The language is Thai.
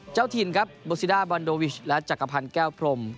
เจ้าถิ่นครับโบซิด้าบอนโดวิชและจักรพันธ์แก้วพรม